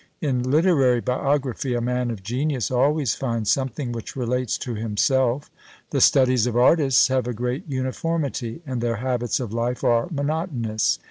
In literary biography a man of genius always finds something which relates to himself. The studies of artists have a great uniformity, and their habits of life are monotonous.